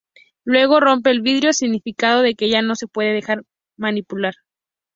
Luego rompe el vidrio, significado de que ya no se deja manipular.